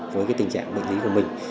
với cái tình trạng bệnh lý của mình